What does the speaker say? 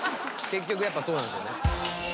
結局やっぱそうなんすよね。